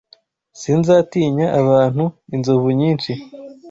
Sinzatinya abantu inzovu nyinshi